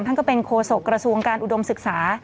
ทั้งก็เป็นโคศกกระทรวงการอุดมศึกษา